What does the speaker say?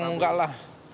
ya enggak lah